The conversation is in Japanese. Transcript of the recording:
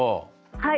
はい。